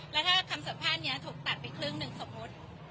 แล้วถ้าคำสัมภาษณ์นี้ถูกตัดไปครึ่งหนึ่งสมมุติ